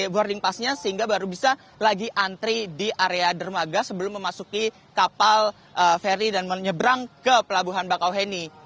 boarding passnya sehingga baru bisa lagi antri di area dermaga sebelum memasuki kapal feri dan menyeberang ke pelabuhan bakauheni